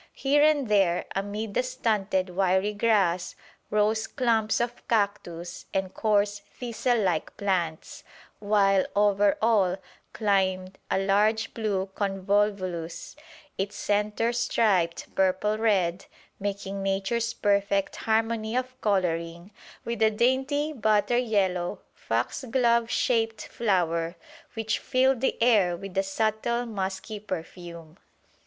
Here and there amid the stunted wiry grass rose clumps of cactus and coarse thistle like plants, while over all climbed a large blue convolvulus, its centre striped purple red, making Nature's perfect harmony of colouring with a dainty butter yellow foxglove shaped flower which filled the air with a subtle musky perfume.